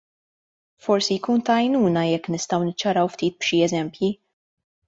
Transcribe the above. Forsi jkun ta' għajnuna jekk nistgħu niċċaraw ftit b'xi eżempji.